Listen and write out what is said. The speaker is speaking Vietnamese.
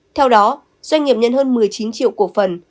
theo đó doanh nghiệp nhận hơn một mươi chín triệu cổ phần